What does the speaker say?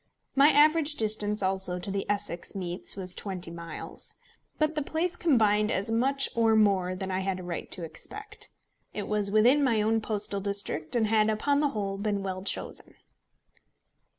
My average distance also to the Essex meets was twenty miles. But the place combined as much or more than I had a right to expect. It was within my own postal district, and had, upon the whole, been well chosen.